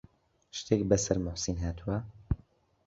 شتێک بەسەر موحسین هاتووە؟